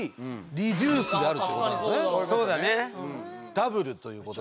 ダブルということで。